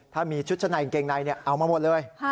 ถ้ามีชุดชั้นในกางเกงในเอามาหมดเลย